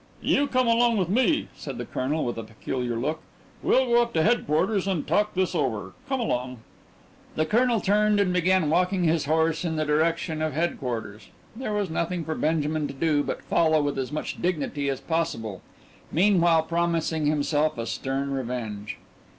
"You come along with me," said the colonel with a peculiar look. "We'll go up to headquarters and talk this over. Come along." The colonel turned and began walking his horse in the direction of headquarters. There was nothing for Benjamin to do but follow with as much dignity as possible meanwhile promising himself a stern revenge.